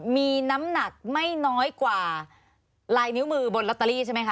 มีน้ำหนักไม่น้อยกว่าลายนิ้วมือบนลอตเตอรี่ใช่ไหมคะ